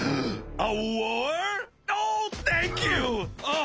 あっ！